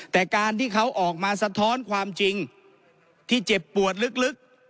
แต่การที่เขาออกมาสะท้อนความจริงที่เจ็บปวดลึก